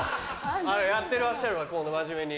やってらっしゃるわ真面目に。